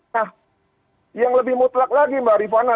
nah yang lebih mutlak lagi mbak rifana